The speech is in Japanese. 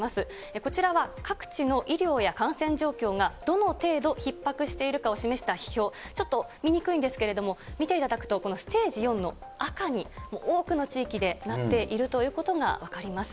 こちらは各地の医療や感染状況がどの程度ひっ迫しているかを示した指標、ちょっと見にくいんですけれども、見ていただくと、このステージ４の赤に多くの地域でなっているということが分かります。